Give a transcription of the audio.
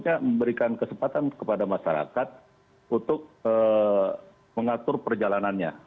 ini maksudnya memberikan kesempatan kepada masyarakat untuk mengatur perjalanannya